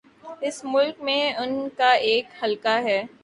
اس ملک میں ان کا ایک حلقہ ہے۔